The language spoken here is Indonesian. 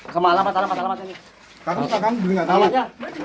kemalam masalah masalah ini